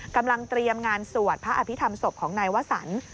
กำลังเตรียมงานสวดพระอภิษฐรรมศพของนายวสัน